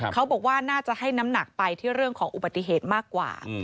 เขาบอกว่าน่าจะให้น้ำหนักไปที่เรื่องของอุบัติเหตุมากกว่า